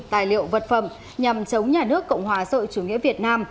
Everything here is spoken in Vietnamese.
tài liệu vật phẩm nhằm chống nhà nước cộng hòa sợi chủ nghĩa việt nam